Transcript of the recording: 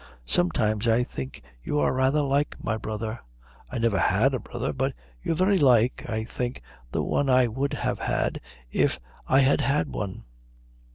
Sometimes I think you are rather like my brother. I never had a brother, but you're very like, I think, the one I would have had if I had had one."